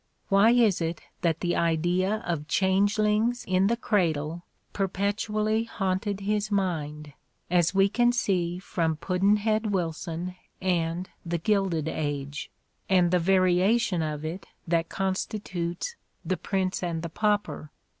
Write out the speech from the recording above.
Why is it that the idea of changelings in the cradle perpetually haunted his mind, as we can see from "Puddn'head Wilson" and "The Gilded Age" and the variation of it that constitutes "The Prince and the Pauper"?